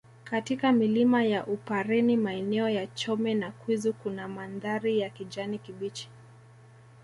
Katika milima ya upareni maeneo ya Chome na Kwizu kuna mandhari ya kijani kibichi